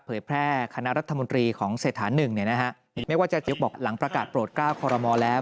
แพร่คณะรัฐมนตรีของเศรษฐานหนึ่งเนี่ยนะฮะไม่ว่าจาจิ๋วบอกหลังประกาศโปรดก้าวคอรมอลแล้ว